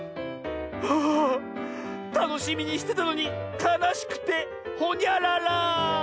あたのしみにしてたのにかなしくてほにゃらら。